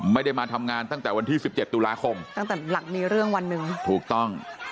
ไม่ได้มาทำงานตั้งแต่วันที่สิบเจ็ดตุลาคมตั้งแต่หลังมีเรื่องวันหนึ่งถูกต้อง